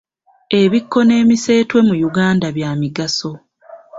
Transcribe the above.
Ebikko n’emiseetwe mu Uganda bya migaso.